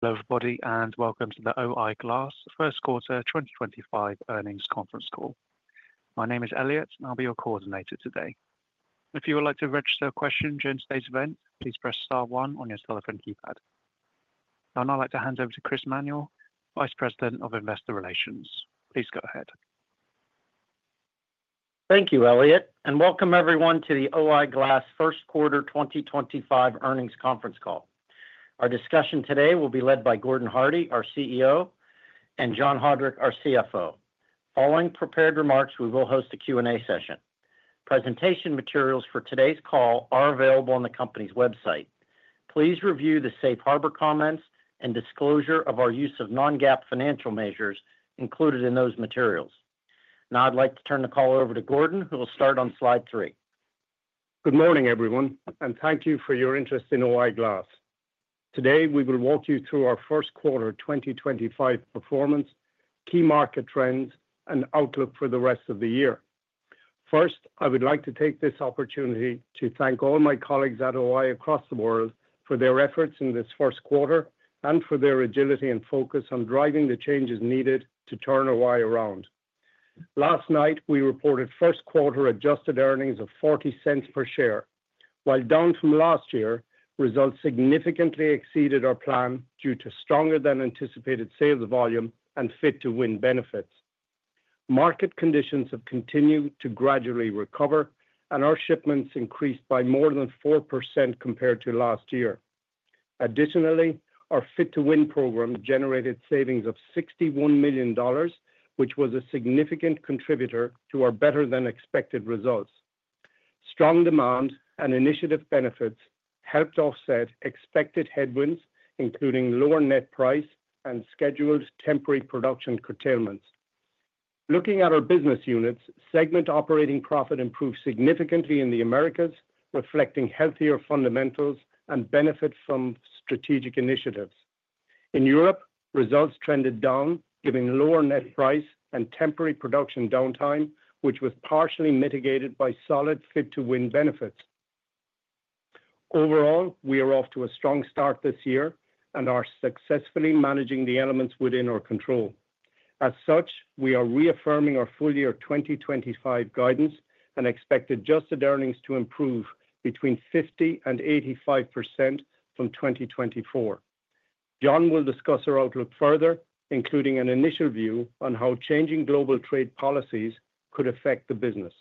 welcome to the O-I Glass First Quarter 2025 Earnings Conference Call. My name is Elliott, and I'll be your coordinator today. If you would like to register a question during today's event, please press star one on your telephone keypad. I'd now like to hand over to Chris Manuel, Vice President of Investor Relations. Please go ahead. Thank you, Elliott, and welcome everyone to the O-I Glass First Quarter 2025 Earnings Conference Call. Our discussion today will be led by Gordon Hardie, our CEO, and John Haudrich, our CFO. Following prepared remarks, we will host a Q&A session. Presentation materials for today's call are available on the company's website. Please review the safe harbor comments and disclosure of our use of non-GAAP financial measures included in those materials. Now, I'd like to turn the call over to Gordon, who will start on slide three. Good morning, everyone, and thank you for your interest in O-I Glass. Today, we will walk you through our first quarter 2025 performance, key market trends, and outlook for the rest of the year. First, I would like to take this opportunity to thank all my colleagues at O-I across the world for their efforts in this first quarter and for their agility and focus on driving the changes needed to turn O-I around. Last night, we reported first quarter adjusted earnings of $0.40 per share, while down from last year, results significantly exceeded our plan due to stronger-than-anticipated sales volume and Fit to Win benefits. Market conditions have continued to gradually recover, and our shipments increased by more than 4% compared to last year. Additionally, our Fit to Win program generated savings of $61 million, which was a significant contributor to our better-than-expected results. Strong demand and initiative benefits helped offset expected headwinds, including lower net price and scheduled temporary production curtailments. Looking at our business units, segment operating profit improved significantly in the Americas, reflecting healthier fundamentals and benefit from strategic initiatives. In Europe, results trended down, giving lower net price and temporary production downtime, which was partially mitigated by solid Fit to Win benefits. Overall, we are off to a strong start this year and are successfully managing the elements within our control. As such, we are reaffirming our full year 2025 guidance and expect adjusted earnings to improve between 50% and 85% from 2024. John will discuss our outlook further, including an initial view on how changing global trade policies could affect the business.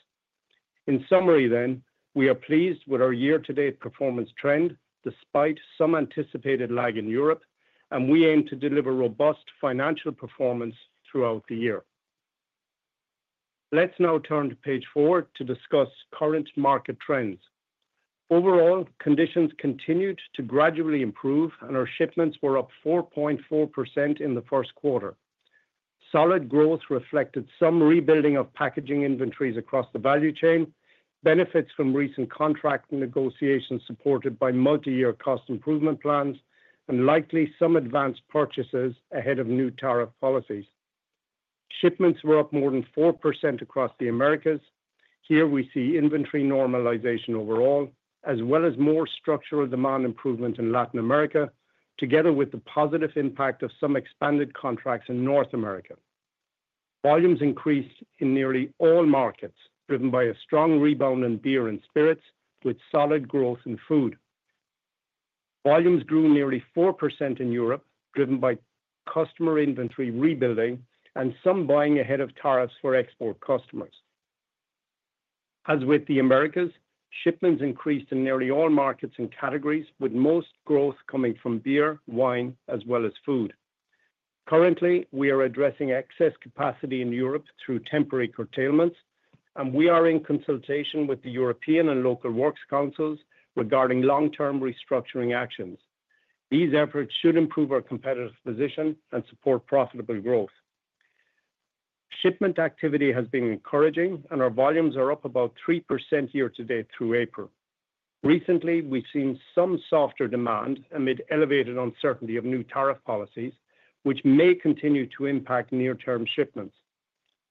In summary, then, we are pleased with our year-to-date performance trend despite some anticipated lag in Europe, and we aim to deliver robust financial performance throughout the year. Let's now turn to page four to discuss current market trends. Overall, conditions continued to gradually improve, and our shipments were up 4.4% in the first quarter. Solid growth reflected some rebuilding of packaging inventories across the value chain, benefits from recent contract negotiations supported by multi-year cost improvement plans, and likely some advanced purchases ahead of new tariff policies. Shipments were up more than 4% across the Americas. Here, we see inventory normalization overall, as well as more structural demand improvement in Latin America, together with the positive impact of some expanded contracts in North America. Volumes increased in nearly all markets, driven by a strong rebound in beer and spirits, with solid growth in food. Volumes grew nearly 4% in Europe, driven by customer inventory rebuilding and some buying ahead of tariffs for export customers. As with the Americas, shipments increased in nearly all markets and categories, with most growth coming from beer, wine, as well as food. Currently, we are addressing excess capacity in Europe through temporary curtailments, and we are in consultation with the European and local works councils regarding long-term restructuring actions. These efforts should improve our competitive position and support profitable growth. Shipment activity has been encouraging, and our volumes are up about 3% year-to-date through April. Recently, we've seen some softer demand amid elevated uncertainty of new tariff policies, which may continue to impact near-term shipments.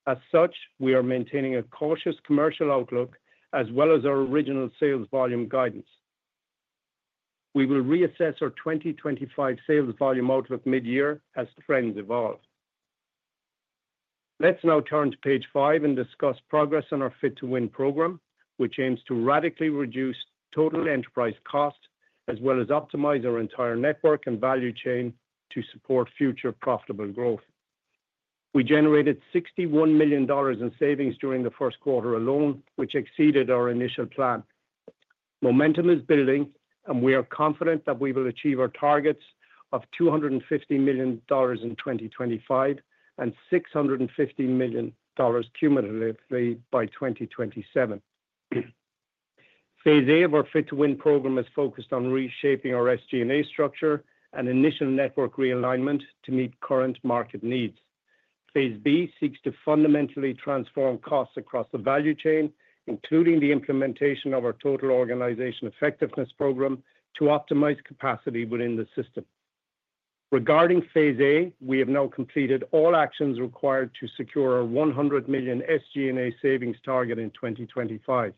As such, we are maintaining a cautious commercial outlook as well as our original sales volume guidance. We will reassess our 2025 sales volume outlook mid-year as trends evolve. Let's now turn to page five and discuss progress on our Fit to Win program, which aims to radically reduce total enterprise cost as well as optimize our entire network and value chain to support future profitable growth. We generated $61 million in savings during the first quarter alone, which exceeded our initial plan. Momentum is building, and we are confident that we will achieve our targets of $250 million in 2025 and $650 million cumulatively by 2027. Phase A of our Fit to Win program is focused on reshaping our SG&A structure and initial network realignment to meet current market needs. Phase B seeks to fundamentally transform costs across the value chain, including the implementation of our Total Organization Effectiveness program to optimize capacity within the system. Regarding Phase A, we have now completed all actions required to secure our $100 million SG&A savings target in 2025.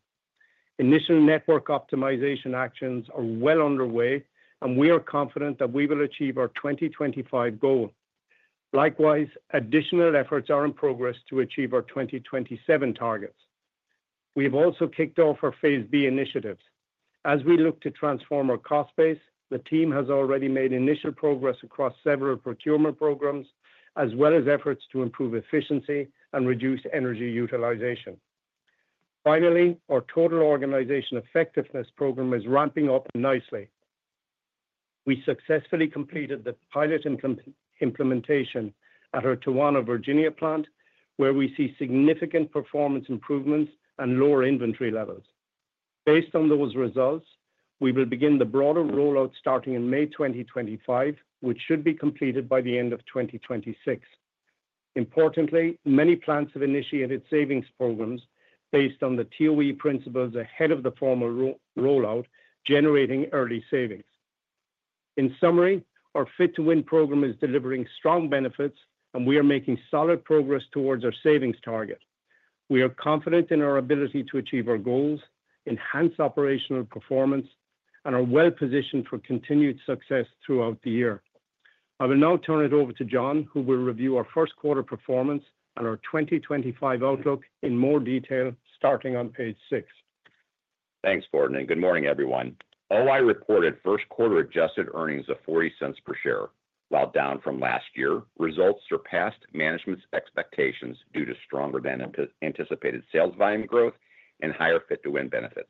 Initial network optimization actions are well underway, and we are confident that we will achieve our 2025 goal. Likewise, additional efforts are in progress to achieve our 2027 targets. We have also kicked off our phase B initiatives. As we look to transform our cost base, the team has already made initial progress across several procurement programs, as well as efforts to improve efficiency and reduce energy utilization. Finally, our Total Organization Effectiveness program is ramping up nicely. We successfully completed the pilot implementation at our Toano, Virginia plant, where we see significant performance improvements and lower inventory levels. Based on those results, we will begin the broader rollout starting in May 2025, which should be completed by the end of 2026. Importantly, many plants have initiated savings programs based on the TOE principles ahead of the formal rollout, generating early savings. In summary, our Fit to Win program is delivering strong benefits, and we are making solid progress towards our savings target. We are confident in our ability to achieve our goals, enhance operational performance, and are well positioned for continued success throughout the year. I will now turn it over to John, who will review our first quarter performance and our 2025 outlook in more detail starting on page six. Thanks, Gordon. Good morning, everyone. O-I reported first quarter adjusted earnings of $0.40 per share, while down from last year. Results surpassed management's expectations due to stronger-than-anticipated sales volume growth and higher Fit to Win benefits.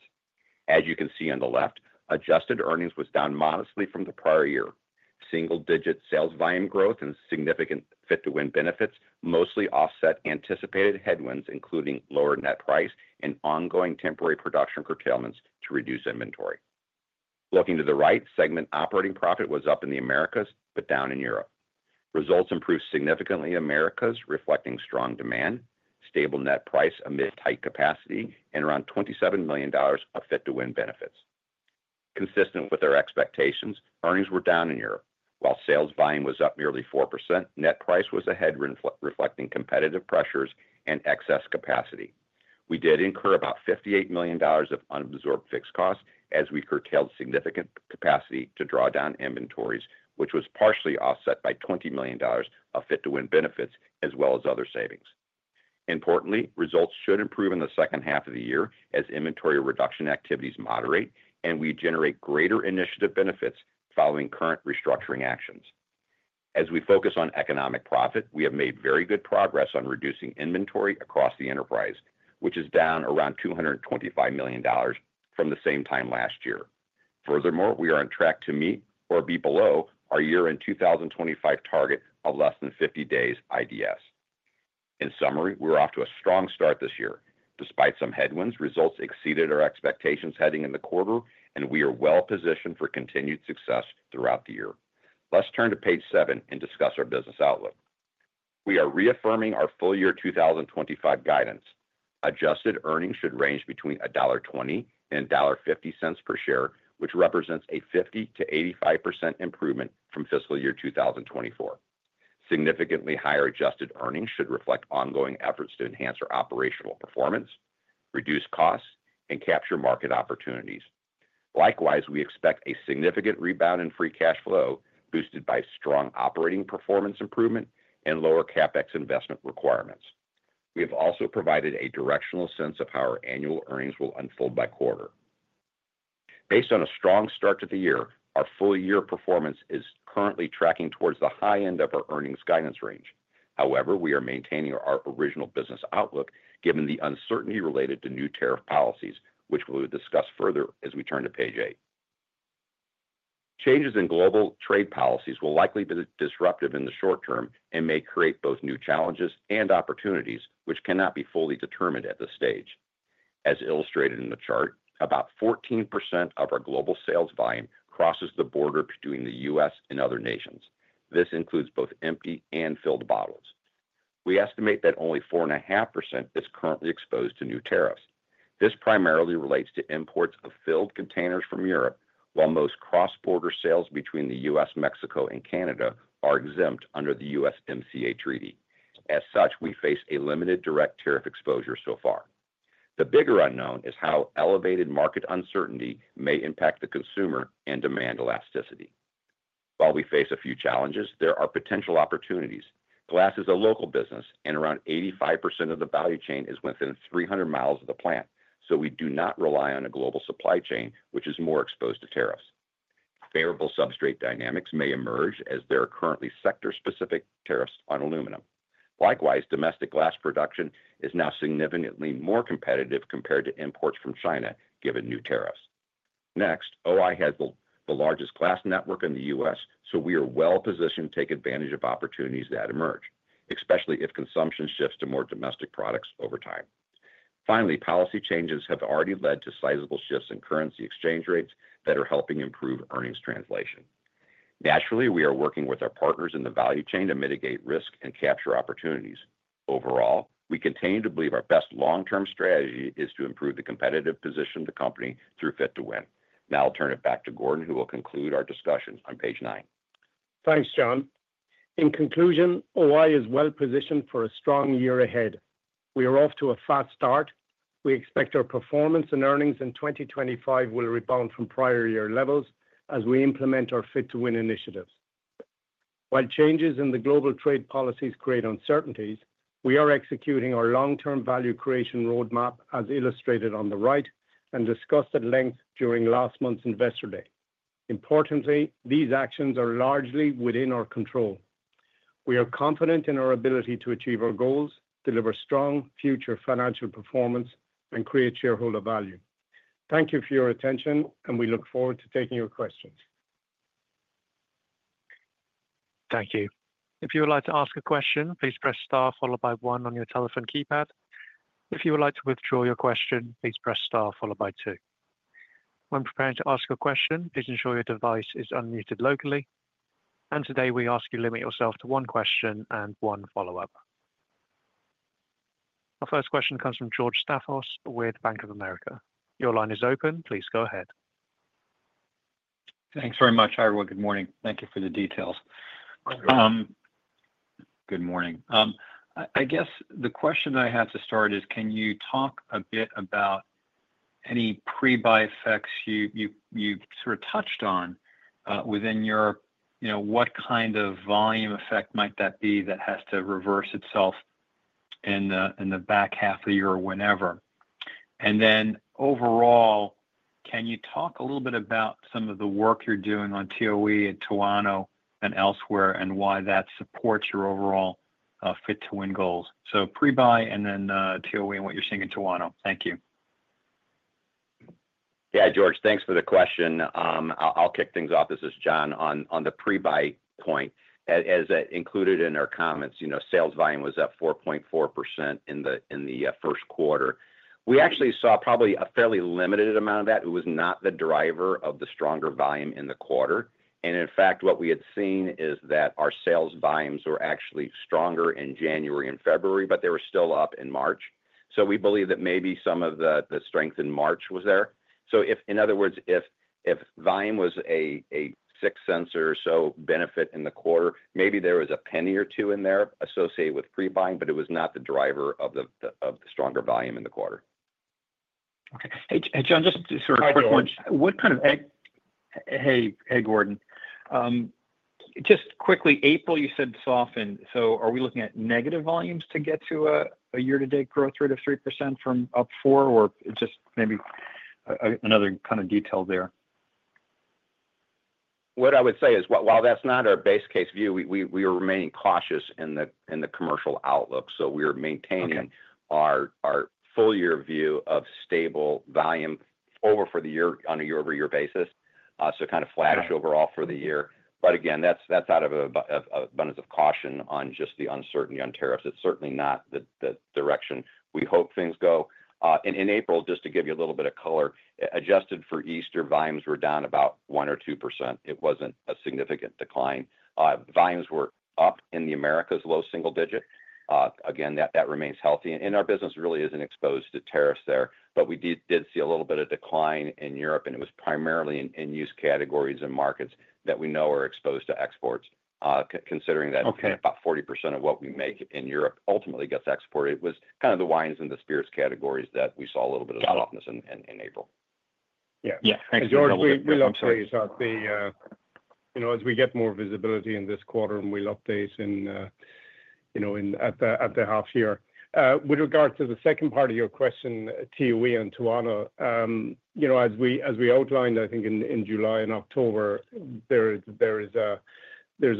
As you can see on the left, adjusted earnings was down modestly from the prior year. Single-digit sales volume growth and significant Fit to Win benefits mostly offset anticipated headwinds, including lower net price and ongoing temporary production curtailments to reduce inventory. Looking to the right, segment operating profit was up in the Americas, but down in Europe. Results improved significantly in Americas, reflecting strong demand, stable net price amid tight capacity, and around $27 million of Fit to Win benefits. Consistent with our expectations, earnings were down in Europe, while sales volume was up nearly 4%. Net price was ahead reflecting competitive pressures and excess capacity. We did incur about $58 million of unabsorbed fixed costs as we curtailed significant capacity to draw down inventories, which was partially offset by $20 million of Fit to Win benefits as well as other savings. Importantly, results should improve in the second half of the year as inventory reduction activities moderate and we generate greater initiative benefits following current restructuring actions. As we focus on economic profit, we have made very good progress on reducing inventory across the enterprise, which is down around $225 million from the same time last year. Furthermore, we are on track to meet or be below our year-end 2025 target of less than 50 days IDS. In summary, we're off to a strong start this year. Despite some headwinds, results exceeded our expectations heading in the quarter, and we are well positioned for continued success throughout the year. Let's turn to page seven and discuss our business outlook. We are reaffirming our full year 2025 guidance. Adjusted earnings should range between $1.20 and $1.50 per share, which represents a 50%-85% improvement from fiscal year 2024. Significantly higher adjusted earnings should reflect ongoing efforts to enhance our operational performance, reduce costs, and capture market opportunities. Likewise, we expect a significant rebound in free cash flow boosted by strong operating performance improvement and lower CapEx investment requirements. We have also provided a directional sense of how our annual earnings will unfold by quarter. Based on a strong start to the year, our full year performance is currently tracking towards the high end of our earnings guidance range. However, we are maintaining our original business outlook given the uncertainty related to new tariff policies, which we will discuss further as we turn to page eight. Changes in global trade policies will likely be disruptive in the short term and may create both new challenges and opportunities, which cannot be fully determined at this stage. As illustrated in the chart, about 14% of our global sales volume crosses the border between the U.S. and other nations. This includes both empty and filled bottles. We estimate that only 4.5% is currently exposed to new tariffs. This primarily relates to imports of filled containers from Europe, while most cross-border sales between the U.S., Mexico, and Canada are exempt under the USMCA Treaty. As such, we face a limited direct tariff exposure so far. The bigger unknown is how elevated market uncertainty may impact the consumer and demand elasticity. While we face a few challenges, there are potential opportunities. Glass is a local business, and around 85% of the value chain is within 300 miles of the plant, so we do not rely on a global supply chain, which is more exposed to tariffs. Favorable substrate dynamics may emerge as there are currently sector-specific tariffs on aluminum. Likewise, domestic glass production is now significantly more competitive compared to imports from China, given new tariffs. Next, O-I has the largest glass network in the U.S., so we are well positioned to take advantage of opportunities that emerge, especially if consumption shifts to more domestic products over time. Finally, policy changes have already led to sizable shifts in currency exchange rates that are helping improve earnings translation. Naturally, we are working with our partners in the value chain to mitigate risk and capture opportunities. Overall, we continue to believe our best long-term strategy is to improve the competitive position of the company through Fit to Win. Now I'll turn it back to Gordon, who will conclude our discussion on page nine. Thanks, John. In conclusion, O-I is well positioned for a strong year ahead. We are off to a fast start. We expect our performance and earnings in 2025 will rebound from prior year levels as we implement our Fit to Win initiatives. While changes in the global trade policies create uncertainties, we are executing our long-term value creation roadmap as illustrated on the right and discussed at length during last month's Investor Day. Importantly, these actions are largely within our control. We are confident in our ability to achieve our goals, deliver strong future financial performance, and create shareholder value. Thank you for your attention, and we look forward to taking your questions. Thank you. If you would like to ask a question, please press star followed by one on your telephone keypad. If you would like to withdraw your question, please press star followed by two. When preparing to ask a question, please ensure your device is unmuted locally. Today, we ask you to limit yourself to one question and one follow-up. Our first question comes from George Staphos with Bank of America. Your line is open. Please go ahead. Thanks very much, Elliott. Good morning. Thank you for the details. Good morning. Good morning. I guess the question I had to start is, can you talk a bit about any prebuy effects you've sort of touched on within your, you know, what kind of volume effect might that be that has to reverse itself in the back half of the year or whenever? Also, can you talk a little bit about some of the work you're doing on TOE and Toano and elsewhere and why that supports your overall Fit to Win goals? So prebuy and then TOE and what you're seeing in Toano. Thank you. Yeah, George, thanks for the question. I'll kick things off. This is John on the prebuy point. As included in our comments, you know, sales volume was up 4.4% in the first quarter. We actually saw probably a fairly limited amount of that. It was not the driver of the stronger volume in the quarter. In fact, what we had seen is that our sales volumes were actually stronger in January and February, but they were still up in March. We believe that maybe some of the strength in March was there. In other words, if volume was a six cents or so benefit in the quarter, maybe there was a penny or two in there associated with prebuying, but it was not the driver of the stronger volume in the quarter. Okay. Hey, John, just to sort of. Hi, Gordon. What kind of—hey, hey, Gordon. Just quickly, April, you said soften. Are we looking at negative volumes to get to a year-to-date growth rate of 3% from up four, or just maybe another kind of detail there? What I would say is, while that's not our base case view, we are remaining cautious in the commercial outlook. We are maintaining our full year view of stable volume over for the year on a year-over-year basis. Kind of flat overall for the year. Again, that's out of a bunch of caution on just the uncertainty on tariffs. It's certainly not the direction we hope things go. In April, just to give you a little bit of color, adjusted for Easter, volumes were down about 1% or 2%. It wasn't a significant decline. Volumes were up in the Americas, low single digit. Again, that remains healthy. Our business really isn't exposed to tariffs there, but we did see a little bit of decline in Europe, and it was primarily in use categories and markets that we know are exposed to exports, considering that about 40% of what we make in Europe ultimately gets exported. It was kind of the wines and the spirits categories that we saw a little bit of softness in April. Yeah.Yeah. Thanks, Gordon. We'll update the, you know, as we get more visibility in this quarter, and we'll update in, you know, at the half year. With regard to the second part of your question, TOE and Toano, you know, as we outlined, I think in July and October, there is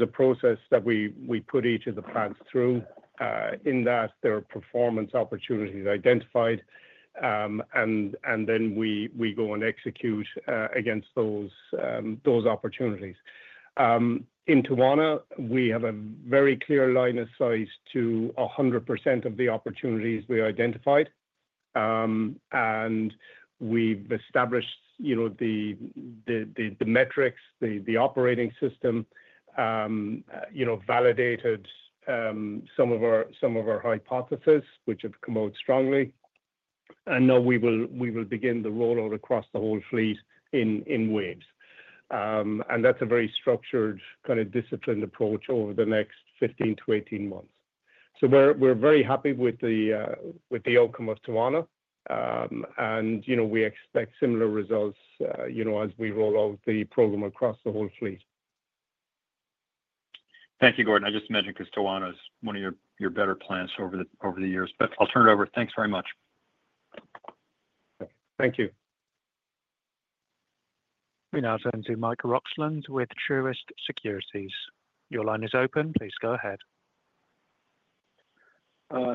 a process that we put each of the plants through in that there are performance opportunities identified, and then we go and execute against those opportunities. In Toano, we have a very clear line of sight to 100% of the opportunities we identified. We've established, you know, the metrics, the operating system, you know, validated some of our hypotheses, which have come out strongly. Now we will begin the rollout across the whole fleet in waves. That is a very structured kind of disciplined approach over the next 15-18 months. We're very happy with the outcome of Toano. You know, we expect similar results, you know, as we roll out the program across the whole fleet. Thank you, Gordon. I just mentioned because Toano is one of your better plants over the years. I will turn it over. Thanks very much. Thank you. We now turn to Michael Roxland with Truist Securities. Your line is open. Please go ahead.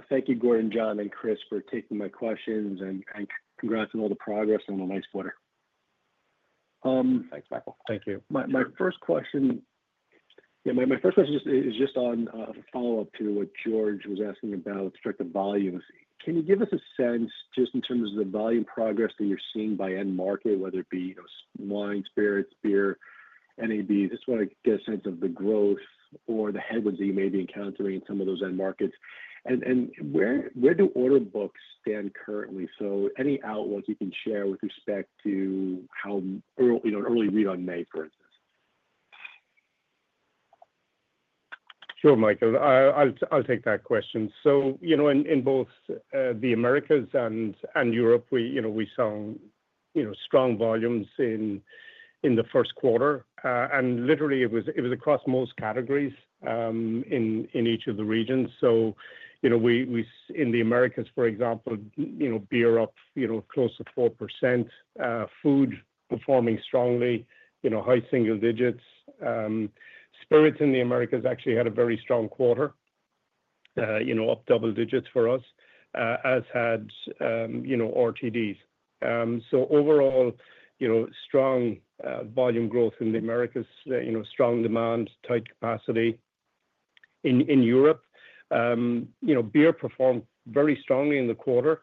Thank you, Gordon, John, and Chris for taking my questions and congrats on all the progress and on a nice quarter. Thanks, Michael. Thank you. My first question, yeah, my first question is just on a follow-up to what George was asking about strict volumes. Can you give us a sense just in terms of the volume progress that you're seeing by end market, whether it be wine, spirits, beer, NABs? Just want to get a sense of the growth or the headwinds that you may be encountering in some of those end markets. Where do order books stand currently? Any outlook you can share with respect to how early, you know, an early read on May, for instance? Sure, Michael. I'll take that question. You know, in both the Americas and Europe, we, you know, we saw, you know, strong volumes in the first quarter. Literally, it was across most categories in each of the regions. You know, in the Americas, for example, you know, beer up, you know, close to 4%, food performing strongly, you know, high single digits. Spirits in the Americas actually had a very strong quarter, you know, up double digits for us, as had, you know, RTDs. Overall, you know, strong volume growth in the Americas, you know, strong demand, tight capacity. In Europe, you know, beer performed very strongly in the quarter.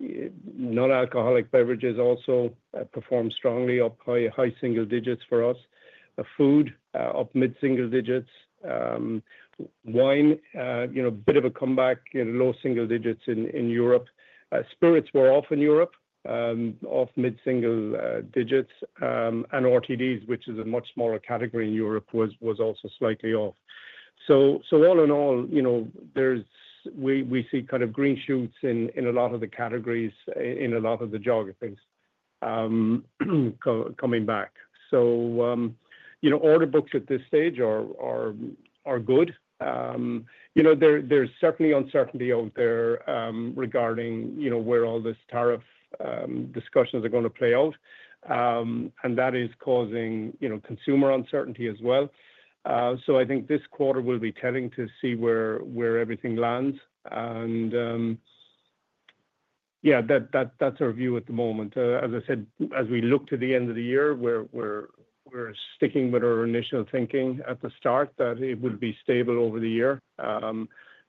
Non-alcoholic beverages also performed strongly, up high single digits for us. Food, up mid single digits. Wine, you know, a bit of a comeback, you know, low single digits in Europe. Spirits were off in Europe, off mid single digits. RTDs, which is a much smaller category in Europe, was also slightly off. All in all, you know, we see kind of green shoots in a lot of the categories, in a lot of the geographies coming back. You know, order books at this stage are good. There is certainly uncertainty out there regarding, you know, where all this tariff discussions are going to play out. That is causing, you know, consumer uncertainty as well. I think this quarter will be telling to see where everything lands. Yeah, that's our view at the moment. As I said, as we look to the end of the year, we're sticking with our initial thinking at the start that it would be stable over the year.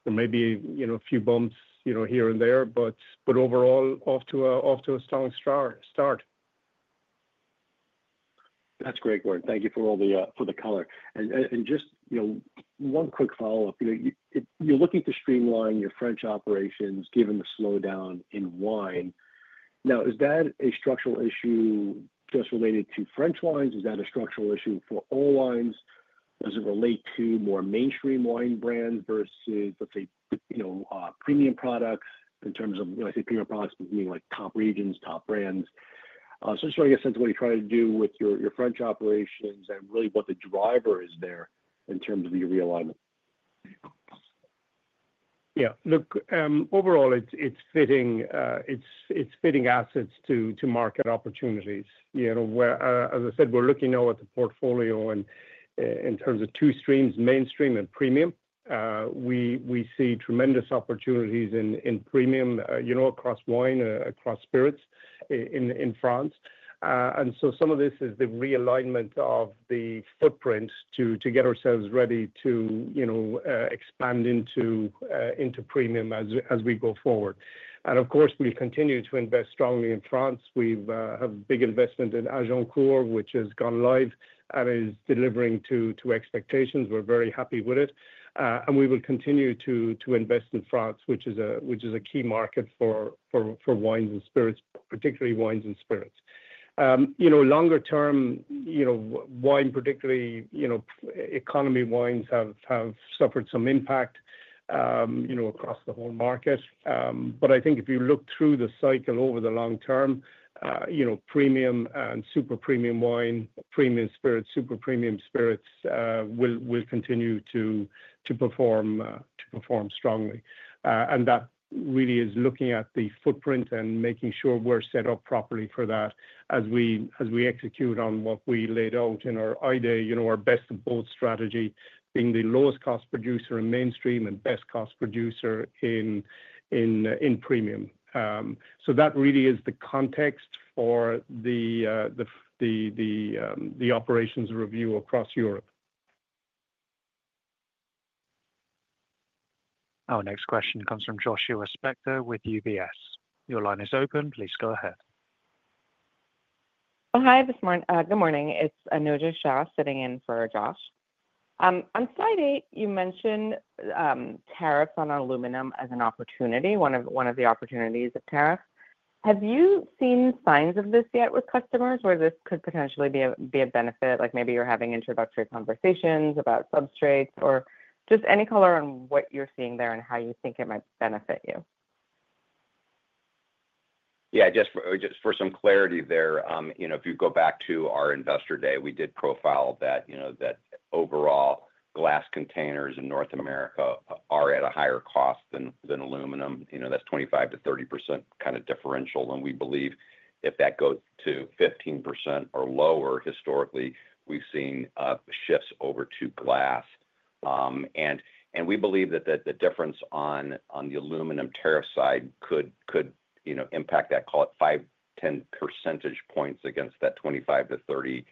There may be, you know, a few bumps, you know, here and there, but overall, off to a strong start. That's great, Gordon. Thank you for all the color. Just, you know, one quick follow-up. You're looking to streamline your French operations given the slowdown in wine. Now, is that a structural issue just related to French wines? Is that a structural issue for all wines? Does it relate to more mainstream wine brands versus, let's say, you know, premium products in terms of, you know, I say premium products meaning like top regions, top brands? Just trying to get a sense of what you're trying to do with your French operations and really what the driver is there in terms of your realignment. Yeah. Look, overall, it's fitting assets to market opportunities. You know, as I said, we're looking now at the portfolio in terms of two streams, mainstream and premium. We see tremendous opportunities in premium, you know, across wine, across spirits in France. You know, some of this is the realignment of the footprint to get ourselves ready to, you know, expand into premium as we go forward. Of course, we continue to invest strongly in France. We have a big investment in Gironcourt, which has gone live and is delivering to expectations. We're very happy with it. We will continue to invest in France, which is a key market for wines and spirits, particularly wines and spirits. You know, longer term, you know, wine, particularly, you know, economy wines have suffered some impact, you know, across the whole market. I think if you look through the cycle over the long term, you know, premium and super premium wine, premium spirits, super premium spirits will continue to perform strongly. That really is looking at the footprint and making sure we're set up properly for that as we execute on what we laid out in our I-Day, you know, our Best of Both strategy, being the lowest cost producer in mainstream and best cost producer in premium. That really is the context for the operations review across Europe. Our next question comes from Josh with UBS. Your line is open. Please go ahead. Oh, hi. Good morning. It's Anojja Shah sitting in for Josh. On slide eight, you mentioned tariffs on aluminum as an opportunity, one of the opportunities of tariffs. Have you seen signs of this yet with customers where this could potentially be a benefit? Like maybe you're having introductory conversations about substrates or just any color on what you're seeing there and how you think it might benefit you? Yeah. Just for some clarity there, you know, if you go back to our Investor Day, we did profile that, you know, that overall glass containers in North America are at a higher cost than aluminum. You know, that's 25-30% kind of differential. And we believe if that goes to 15% or lower historically, we've seen shifts over to glass. And we believe that the difference on the aluminum tariff side could, you know, impact that, call it 5, 10 percentage points against that 25-30%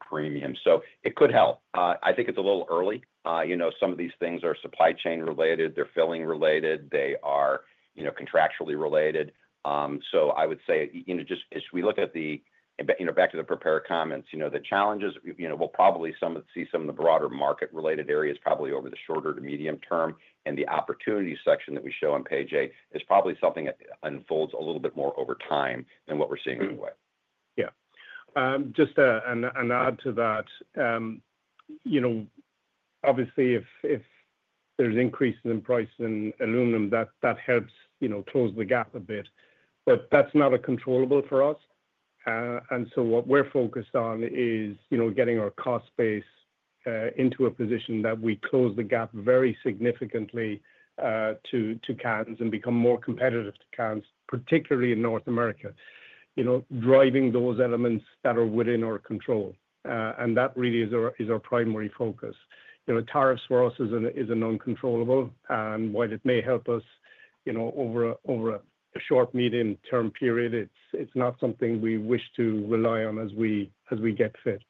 premium. So it could help. I think it's a little early. You know, some of these things are supply chain related. They're filling related. They are, you know, contractually related. I would say, you know, just as we look at the, you know, back to the prepared comments, you know, the challenges, you know, we'll probably see some of the broader market-related areas probably over the shorter to medium term. The opportunity section that we show on page eight is probably something that unfolds a little bit more over time than what we're seeing anyway. Yeah. Just an add to that. You know, obviously, if there's increases in price in aluminum, that helps, you know, close the gap a bit. But that's not a controllable for us. What we're focused on is, you know, getting our cost base into a position that we close the gap very significantly to cans and become more competitive to cans, particularly in North America, you know, driving those elements that are within our control. That really is our primary focus. You know, tariffs for us is uncontrollable. While it may help us, you know, over a short medium-term period, it's not something we wish to rely on as we get fit.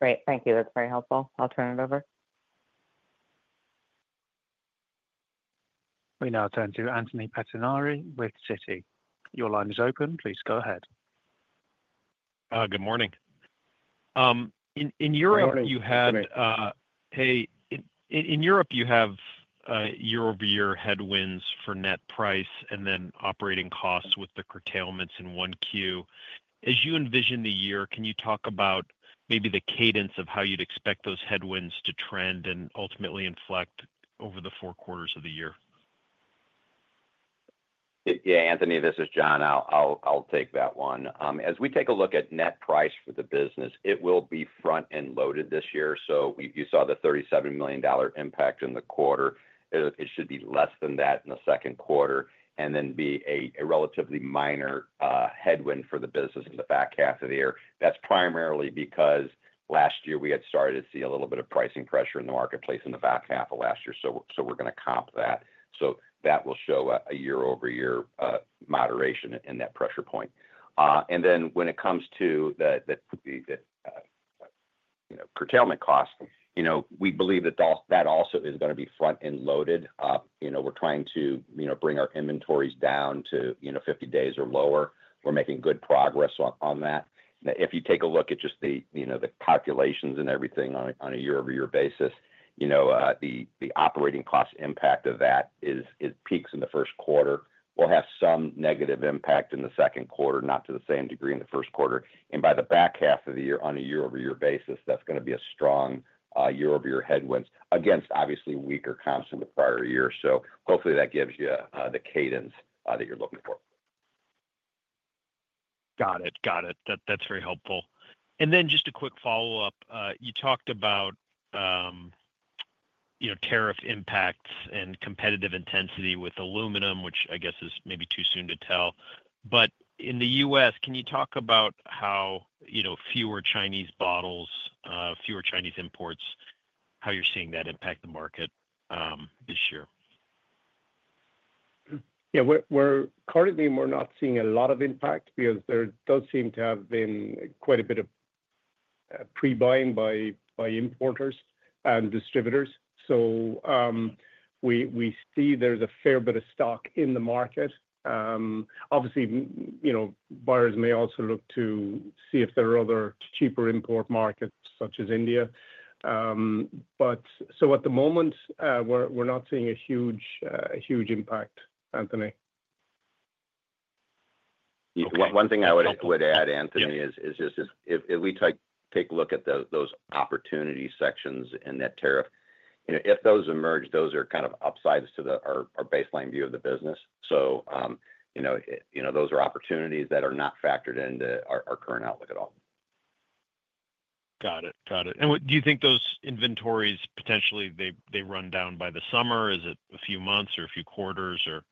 Great. Thank you. That's very helpful. I'll turn it over. We now turn to Anthony Pettinari with Citi. Your line is open. Please go ahead. Good morning. In Europe, you had, hey, in Europe, you have year-over-year headwinds for net price and then operating costs with the curtailments in Q1. As you envision the year, can you talk about maybe the cadence of how you'd expect those headwinds to trend and ultimately inflect over the four quarters of the year? Yeah, Anthony, this is John. I'll take that one. As we take a look at net price for the business, it will be front-end loaded this year. You saw the $37 million impact in the quarter. It should be less than that in the second quarter and then be a relatively minor headwind for the business in the back half of the year. That is primarily because last year we had started to see a little bit of pricing pressure in the marketplace in the back half of last year. We are going to comp that. That will show a year-over-year moderation in that pressure point. When it comes to the curtailment cost, you know, we believe that that also is going to be front-end loaded. You know, we're trying to, you know, bring our inventories down to, you know, 50 days or lower. We're making good progress on that. If you take a look at just the, you know, the calculations and everything on a year-over-year basis, you know, the operating cost impact of that peaks in the first quarter. We'll have some negative impact in the second quarter, not to the same degree in the first quarter. By the back half of the year, on a year-over-year basis, that's going to be a strong year-over-year headwinds against obviously weaker comps in the prior year. Hopefully that gives you the cadence that you're looking for. Got it. Got it. That's very helpful. Then just a quick follow-up. You talked about, you know, tariff impacts and competitive intensity with aluminum, which I guess is maybe too soon to tell. In the U.S., can you talk about how, you know, fewer Chinese bottles, fewer Chinese imports, how you're seeing that impact the market this year? Yeah. Currently, we're not seeing a lot of impact because there does seem to have been quite a bit of pre-buying by importers and distributors. We see there's a fair bit of stock in the market. Obviously, you know, buyers may also look to see if there are other cheaper import markets such as India. At the moment, we're not seeing a huge impact, Anthony. One thing I would add, Anthony, is just if we take a look at those opportunity sections in that tariff, you know, if those emerge, those are kind of upsides to our baseline view of the business. You know, those are opportunities that are not factored into our current outlook at all. Got it. Got it. Do you think those inventories potentially they run down by the summer? Is it a few months or a few quarters or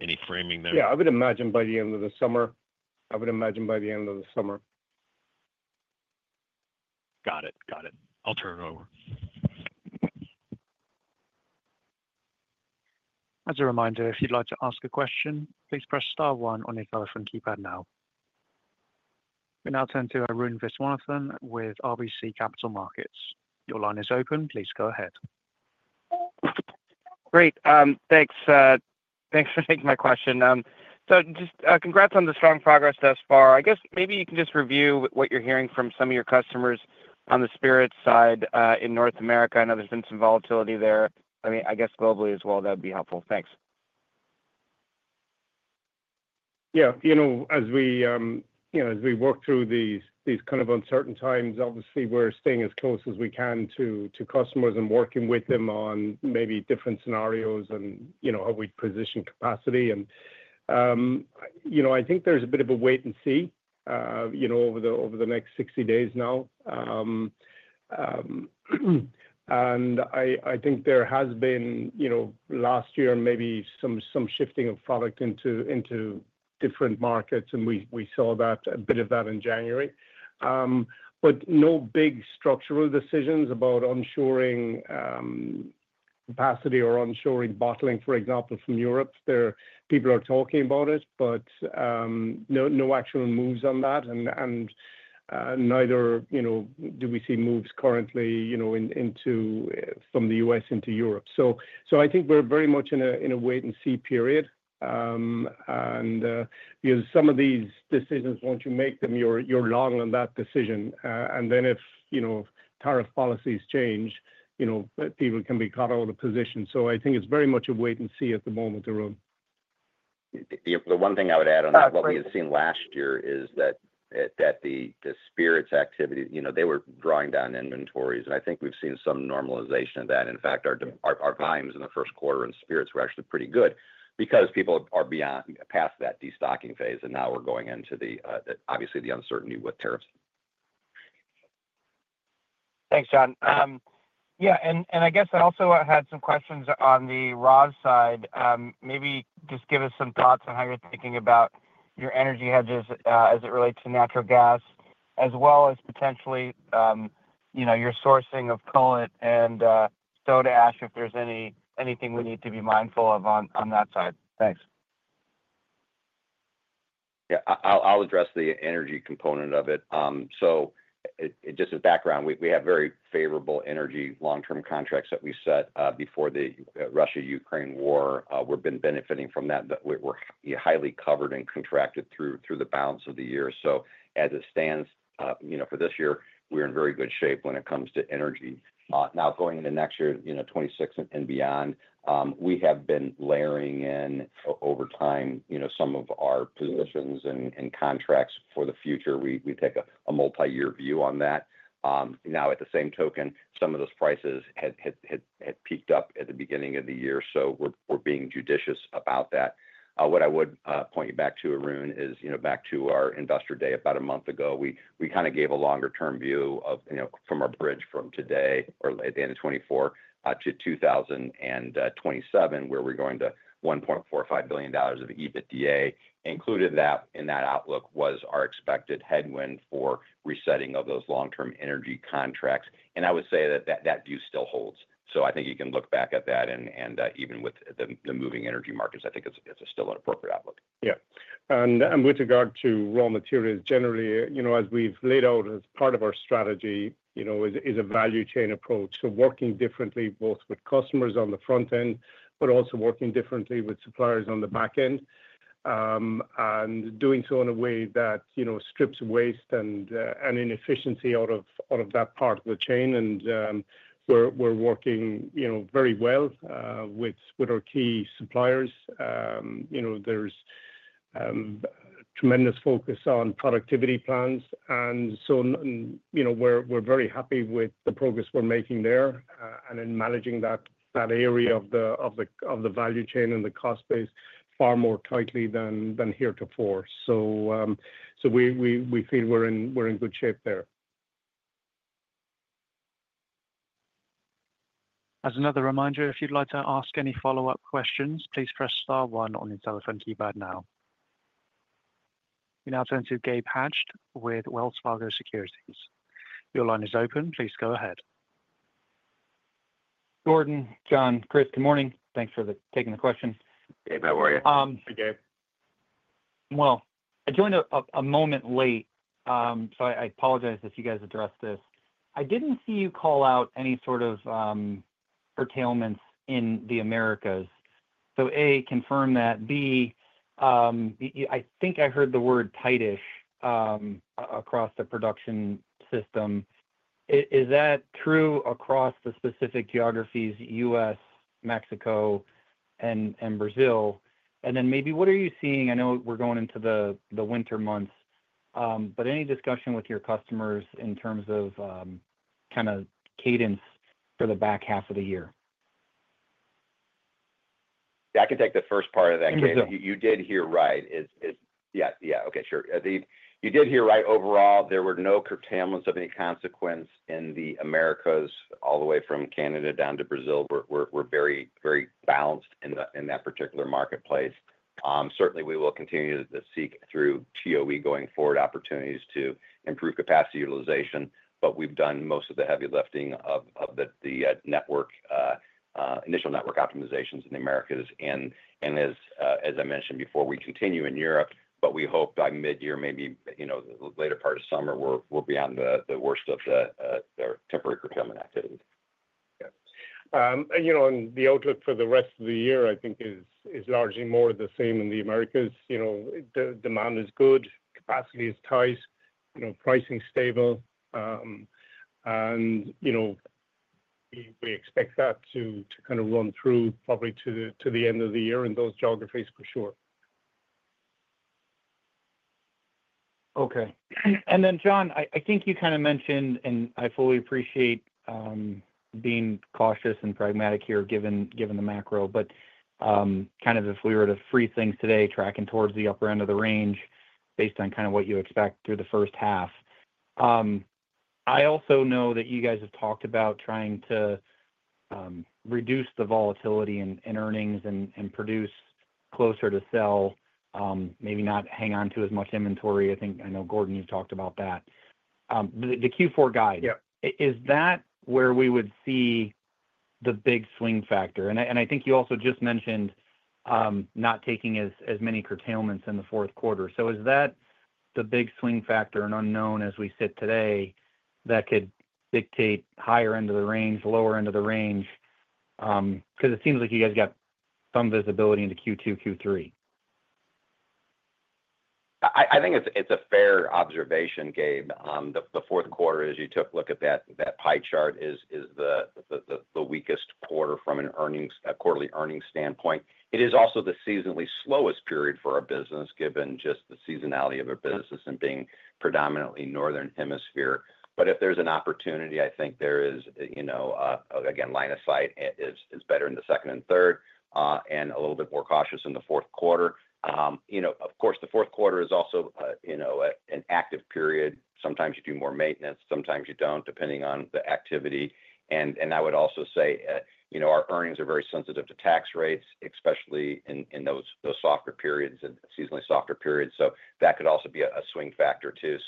any framing there? Yeah. I would imagine by the end of the summer. I would imagine by the end of the summer. Got it. Got it. I'll turn it over. As a reminder, if you'd like to ask a question, please press star one on your telephone keypad now. We now turn to Arun Viswanathan with RBC Capital Markets. Your line is open. Please go ahead. Great. Thanks for taking my question. Just congrats on the strong progress thus far. I guess maybe you can just review what you're hearing from some of your customers on the spirits side in North America. I know there's been some volatility there. I mean, I guess globally as well, that'd be helpful. Thanks. Yeah. You know, as we, you know, as we work through these kind of uncertain times, obviously, we're staying as close as we can to customers and working with them on maybe different scenarios and, you know, how we position capacity. You know, I think there's a bit of a wait and see, you know, over the next 60 days now. I think there has been, you know, last year, maybe some shifting of product into different markets. We saw a bit of that in January. No big structural decisions about onshoring capacity or onshoring bottling, for example, from Europe. There are people talking about it, but no actual moves on that. Neither, you know, do we see moves currently, you know, from the U.S. into Europe. I think we're very much in a wait and see period. Some of these decisions, once you make them, you're long on that decision. If, you know, tariff policies change, you know, people can be caught out of the position. I think it's very much a wait and see at the moment, Arun. The one thing I would add on that, what we had seen last year is that the spirits activity, you know, they were drawing down inventories. I think we've seen some normalization of that. In fact, our volumes in the first quarter in spirits were actually pretty good because people are past that destocking phase. Now we're going into the, obviously, the uncertainty with tariffs. Thanks, John. Yeah. I guess I also had some questions on the raws side. Maybe just give us some thoughts on how you're thinking about your energy hedges as it relates to natural gas, as well as potentially, you know, your sourcing of coal and soda ash if there's anything we need to be mindful of on that side. Thanks. Yeah. I'll address the energy component of it. Just as background, we have very favorable energy long-term contracts that we set before the Russia-Ukraine war. We've been benefiting from that. We're highly covered and contracted through the balance of the year. As it stands, you know, for this year, we're in very good shape when it comes to energy. Now, going into next year, you know, 2026 and beyond, we have been layering in over time, you know, some of our positions and contracts for the future. We take a multi-year view on that. At the same token, some of those prices had peaked up at the beginning of the year. We're being judicious about that. What I would point you back to, Arun, is, you know, back to our Investor Day about a month ago, we kind of gave a longer-term view of, you know, from our bridge from today or at the end of 2024 to 2027, where we're going to $1.45 billion of EBITDA. Included in that outlook was our expected headwind for resetting of those long-term energy contracts. I would say that that view still holds. I think you can look back at that. Even with the moving energy markets, I think it's still an appropriate outlook. Yeah. With regard to raw materials generally, you know, as we've laid out as part of our strategy, you know, it is a value chain approach. Working differently both with customers on the front end, but also working differently with suppliers on the back end and doing so in a way that, you know, strips waste and inefficiency out of that part of the chain. We're working, you know, very well with our key suppliers. You know, there's tremendous focus on productivity plans. You know, we're very happy with the progress we're making there and in managing that area of the value chain and the cost base far more tightly than heretofore. We feel we're in good shape there. As another reminder, if you'd like to ask any follow-up questions, please press star one on your telephone keypad now. We now turn to Gabe Hajde with Wells Fargo Securities. Your line is open. Please go ahead. Gordon, John, Chris, good morning. Thanks for taking the question. Hey, how are you? Hey, Gabe. I joined a moment late. I apologize if you guys addressed this. I did not see you call out any sort of curtailments in the Americas. A, confirm that. B, I think I heard the word tightish across the production system. Is that true across the specific geographies, U.S., Mexico, and Brazil? What are you seeing? I know we are going into the winter months, but any discussion with your customers in terms of cadence for the back half of the year? Yeah, I can take the first part of that. You did hear right. Yeah. Yeah. Okay. Sure. You did hear right. Overall, there were no curtailments of any consequence in the Americas all the way from Canada down to Brazil. We're very, very balanced in that particular marketplace. Certainly, we will continue to seek through TOE going forward opportunities to improve capacity utilization. We have done most of the heavy lifting of the initial network optimizations in the Americas. As I mentioned before, we continue in Europe, but we hope by mid-year, maybe, you know, the later part of summer, we will be on the worst of the temporary curtailment activity. Yeah. You know, the outlook for the rest of the year, I think, is largely more of the same in the Americas. You know, demand is good, capacity is tight, you know, pricing stable. You know, we expect that to kind of run through probably to the end of the year in those geographies for sure. Okay. And then, John, I think you kind of mentioned, and I fully appreciate being cautious and pragmatic here given the macro, but kind of if we were to freeze things today, tracking towards the upper end of the range based on kind of what you expect through the first half. I also know that you guys have talked about trying to reduce the volatility in earnings and produce closer to sell, maybe not hang on to as much inventory. I think I know, Gordon, you've talked about that. The Q4 guide, is that where we would see the big swing factor? I think you also just mentioned not taking as many curtailments in the fourth quarter. Is that the big swing factor, an unknown as we sit today, that could dictate higher end of the range, lower end of the range? Because it seems like you guys got some visibility into Q2, Q3. I think it's a fair observation, Gabe. The fourth quarter, as you took a look at that pie chart, is the weakest quarter from a quarterly earnings standpoint. It is also the seasonally slowest period for our business given just the seasonality of our business and being predominantly northern hemisphere. If there's an opportunity, I think there is, you know, again, line of sight is better in the second and third and a little bit more cautious in the fourth quarter. You know, of course, the fourth quarter is also, you know, an active period. Sometimes you do more maintenance, sometimes you don't, depending on the activity. I would also say, you know, our earnings are very sensitive to tax rates, especially in those softer periods and seasonally softer periods. That could also be a swing factor too.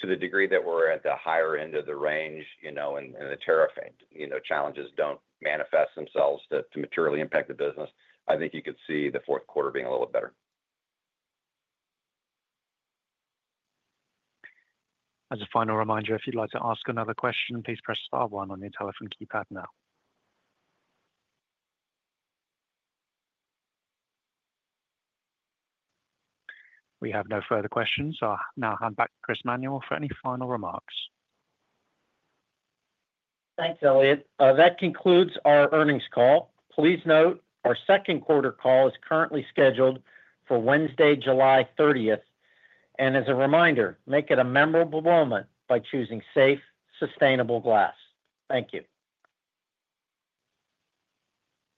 To the degree that we're at the higher end of the range, you know, and the tariff, you know, challenges don't manifest themselves to materially impact the business, I think you could see the fourth quarter being a little bit better. As a final reminder, if you'd like to ask another question, please press star one on your telephone keypad now. We have no further questions. I'll now hand back to Chris Manuel for any final remarks. Thanks, Elliott. That concludes our earnings call. Please note our second quarter call is currently scheduled for Wednesday, July 30. As a reminder, make it a memorable moment by choosing safe, sustainable glass. Thank you.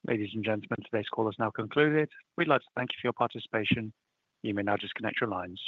Ladies and gentlemen, today's call is now concluded. We'd like to thank you for your participation. You may now disconnect your lines.